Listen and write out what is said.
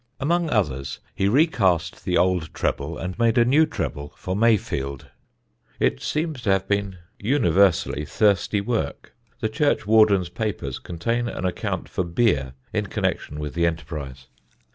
Among others he recast the old treble and made a new treble for Mayfield. It seems to have been universally thirsty work: the churchwardens' papers contain an account for beer in connection with the enterprise: [Sidenote: BEER] _£ s. d.